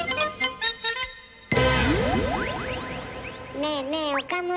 ねえねえ岡村。